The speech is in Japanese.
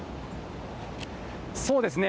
そうですね。